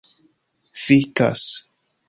fikas